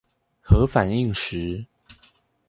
核反應時